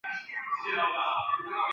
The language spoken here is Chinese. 爪哇麦鸡是一种麦鸡。